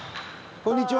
こんにちは。